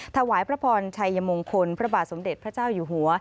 ถวายพระพรชัยมงคลพระบาทสมเด็จพระเจ้าอยู่หัว